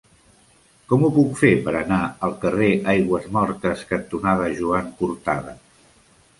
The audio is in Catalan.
Com ho puc fer per anar al carrer Aigüesmortes cantonada Joan Cortada?